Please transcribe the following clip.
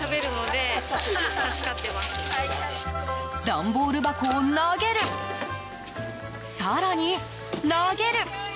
段ボール箱を投げる更に投げる。